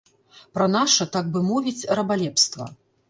Пра наша, так бы мовіць, рабалепства.